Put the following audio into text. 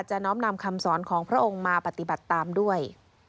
น้อมนำคำสอนของพระองค์มาปฏิบัติตามด้วย